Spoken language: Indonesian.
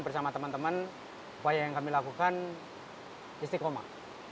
bersama teman teman upaya yang kami lakukan istiqomah